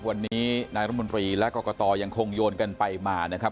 วันนี้นายรมนตรีและกรกตยังคงโยนกันไปมานะครับ